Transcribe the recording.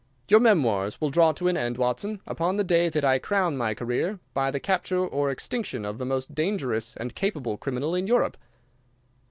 Your memoirs will draw to an end, Watson, upon the day that I crown my career by the capture or extinction of the most dangerous and capable criminal in Europe."